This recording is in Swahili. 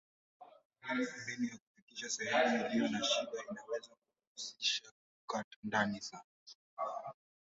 Mbinu ya kufikia sehemu iliyo na shida inaweza kuhusisha kukata ndani sana.